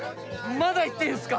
まだいっていいんすか？